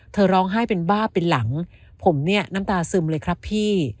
ร้องไห้เป็นบ้าเป็นหลังผมเนี่ยน้ำตาซึมเลยครับพี่